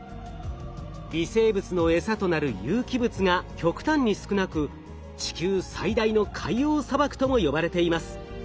微生物のエサとなる有機物が極端に少なく地球最大の海洋砂漠とも呼ばれています。